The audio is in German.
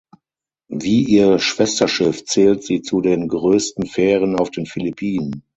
Wie ihr Schwesterschiff zählt sie zu den größten Fähren auf den Philippinen.